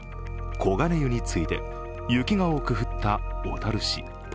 小金湯に次いで、雪が多く降った小樽市。